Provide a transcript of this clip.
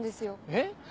えっ！